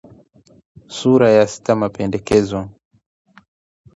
SURA YA SITA MAPENDEKEZO